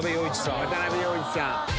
渡部陽一さん。